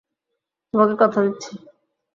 তোমাকে কথা দিচ্ছি!